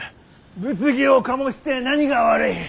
物議を醸して何が悪い！